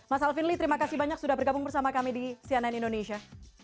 mas alvin lee terima kasih banyak sudah bergabung bersama kami di cnn indonesia